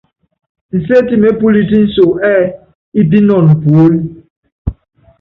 Inséti mépúlít inso ɛ́ɛ ípínɔn puólí.